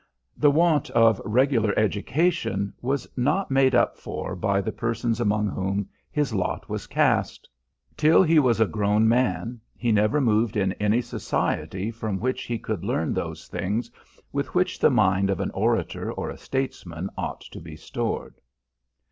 The want of regular education was not made up for by the persons among whom his lot was cast. Till he was a grown man, he never moved in any society from which he could learn those things with which the mind of an orator or a statesman ought to be stored.